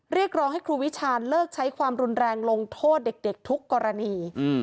เรียกร้องให้ครูวิชาณเลิกใช้ความรุนแรงลงโทษเด็กทุกกรณี